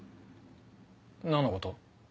何のこと？